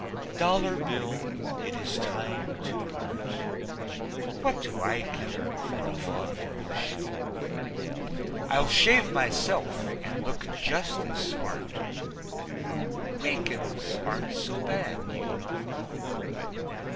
Dollar Bill, it is time to part. What do I care for a vaudeville show? I'll shave myself and look just as smart. Makin's aren't so bad, you know.